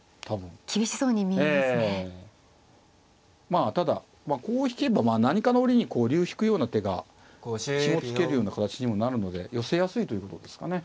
まあただこう引けば何かの折にこう竜引くような手がひも付けるような形にもなるので寄せやすいということですかね。